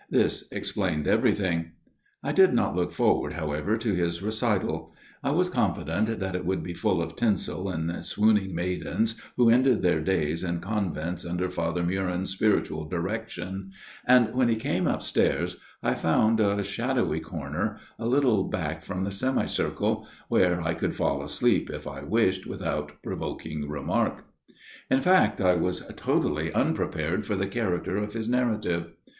This explained everything. I did not look forward, however, to his recital. I was confident that it would be full of tinsel and swooning maidens who ended their days in con vents under Father Meuron's spiritual direction ; and when he came upstairs I found a shadowy corner, a little back from the semi circle, where I could fall asleep, if I wished, without provoking remark. 34 A MIRROR OF SHALOTT In fact I was totally unprepared for the character of his narrative.